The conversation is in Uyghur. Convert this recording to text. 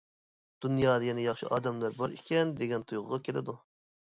دۇنيادا يەنە ياخشى ئادەملەر بار ئىكەن، دېگەن تۇيغۇغا كېلىدۇ.